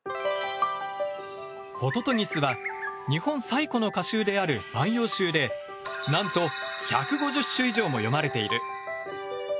ホトトギスは日本最古の歌集である「万葉集」でなんと１５０首以上も詠まれている。